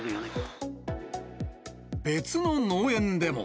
別の農園でも。